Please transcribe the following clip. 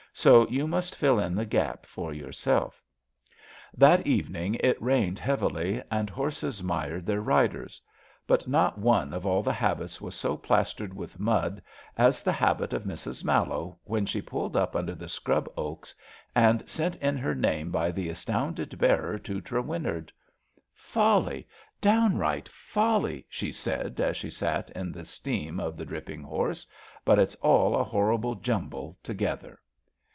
So you must fill in the gap for yourself. That evening it rained heavily, and horses mired their riders. But not one of all the habits was so plastered with mud as the habit of Mrs. Mallowe when she pulled up under the scrub oaks and sent SUPPLEMENTAEY CHAPTER 159 in her name by the astounded bearer to Trewin nard, Folly I downright folly I '' she said as she sat in the steam of the dripping horse. But it*s all a horrible jumble together.'